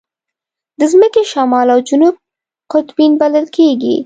د ځمکې شمال او جنوب قطبین بلل کېږي.